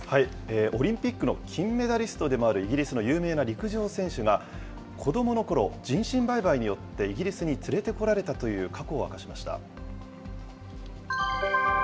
オリンピックの金メダリストでもあるイギリスの有名な陸上選手が、子どものころ、人身売買によってイギリスに連れてこられたという過去を明かしました。